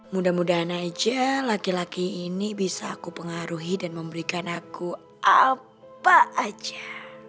mudah mudahan aja laki laki ini bisa aku pengaruhi dan memberikan aku apa aja